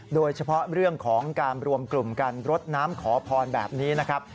โดยเฉพาะเรื่องของการรวมกลุ่มการรดน้ำขอพรแบบนี้นะครับ